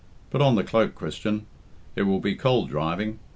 Put on the cloak, Christian. It will be cold driving.